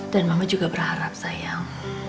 dan mama juga berharap sayang